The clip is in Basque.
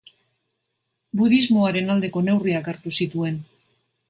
Budismoaren aldeko neurriak hartu zituen.